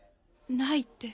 ないって。